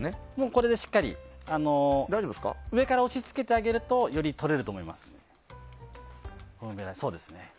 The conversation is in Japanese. これでしっかり上から押し付けてあげるとより取れると思います。